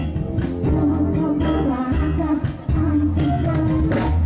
suasana yang sangat menarik